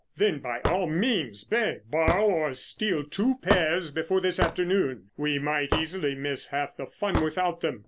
"Then by all means beg, borrow or steal two pairs before this afternoon. We might easily miss half the fun without them.